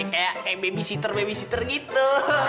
kayak babysitter babysitter gitu